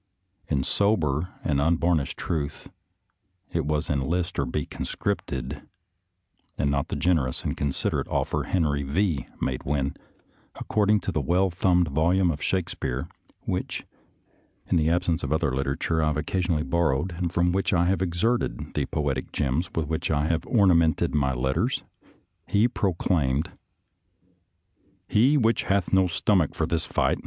In sober and unvarnished truth, it was enlist or be conscripted, and not the generous and considerate offer Henry V. made when —• according to the well thumbed volume of Shake speare, which, in the absence of other literature, I have occasionally borrowed, and from which I have excerpted the poetic gems with which I have ornamented my letters — he proclaimed: " He which hath no stomach for this fight.